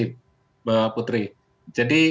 mbak putri jadi